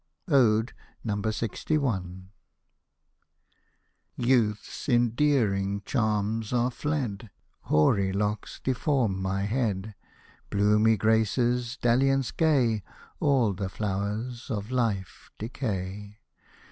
ODE LXI Youth's endearing charms are fled ; Hoary locks deform my head ; Bloomy graces, dalliance gay, All the flowers of Hfe decay.